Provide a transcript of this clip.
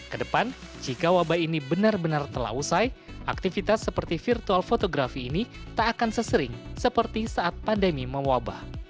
kedepan jika wabah ini benar benar telah usai aktivitas seperti virtual fotografi ini tak akan sesering seperti saat pandemi mewabah